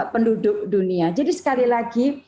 penduduk dunia jadi sekali lagi